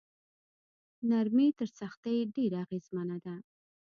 نرمي تر سختۍ ډیره اغیزمنه ده.